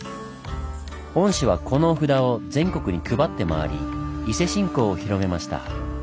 御師はこのお札を全国に配って回り伊勢信仰を広めました。